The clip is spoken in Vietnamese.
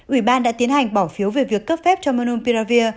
ủy ban đã tiến hành bỏ phiếu về việc cấp phép cho manumpiravir